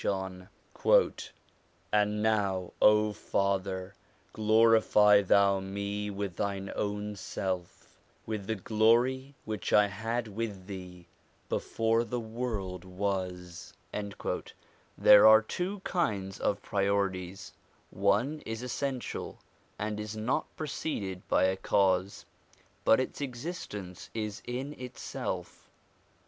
JOHN now, O Father, glorify Thou me with Thine own self, with the glory which I had with Thee before the world was.' There are two kinds of priorities : one is essential, and is not preceded by a cause, but its existence is in itself.